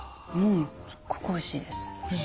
すっごくおいしいです。